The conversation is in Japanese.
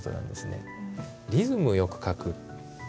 リズムよく書く。